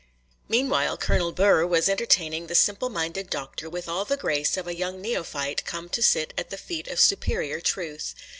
Meanwhile Colonel Burr was entertaining the simple minded Doctor with all the grace of a young neophyte come to sit at the feet of superior truth.